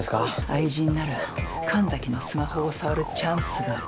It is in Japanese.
愛人なら神崎のスマホを触るチャンスがある。